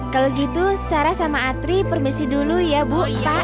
kalau gitu sarah sama atri permisi dulu ya bu